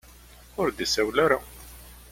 Ur d-isawel ara.